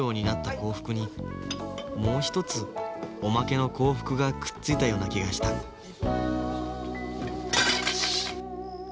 幸福にもう一つおまけの幸福がくっついたような気がしたアチッ。